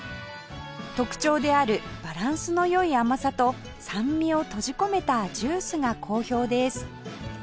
特徴であるバランスの良い甘さと酸味を閉じ込めたジュースが好評です